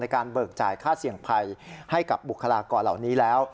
การเบิกจ่ายค่าเสี่ยงภัยให้กับบุคลากรเหล่านี้แล้ว